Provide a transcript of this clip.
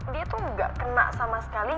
dia tuh gak kena sama sekali